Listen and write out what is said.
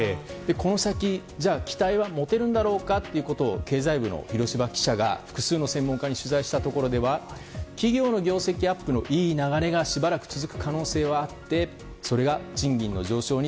この先、期待は持てるんだろうかということを経済部の広芝記者が複数の専門家に取材したところでは企業の業績アップのいい流れがしばらく続く可能性があってそれが賃金の上昇に